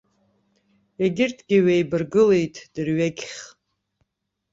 Егьырҭгьы ҩеибаргылеит дырҩегьых.